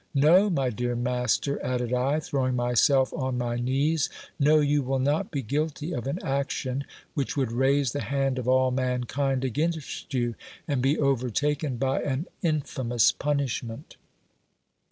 No, my dear master, added I, throwing myself on my knees, no, you will not be guilty of an action which would raise the hand of all mankind against you, and be overtaken by an infamous punishment.